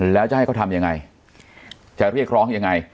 แล้วจะให้เขาทำยังไงจะเรียกร้องยังไง